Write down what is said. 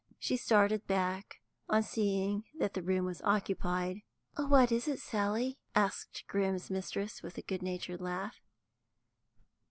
She started back on seeing that the room was occupied. "What is it, Sally?" asked Grim's mistress, with a good natured laugh.